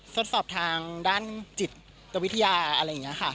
ทดสอบทางด้านจิตวิทยาอะไรอย่างนี้ค่ะ